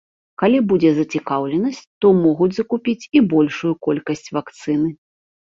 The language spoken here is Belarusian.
Калі будзе зацікаўленасць, то могуць закупіць і большую колькасць вакцыны.